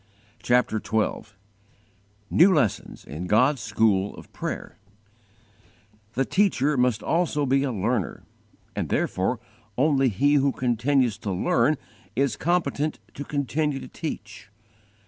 CHAPTER XII NEW LESSONS IN GOD'S SCHOOL OF PRAYER THE teacher must also be a learner, and therefore only he who continues to learn is competent to continue to teach.